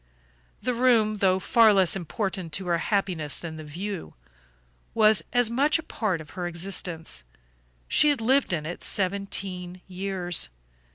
The room, though far less important to her happiness than the view, was as much a part of her existence. She had lived in it seventeen years.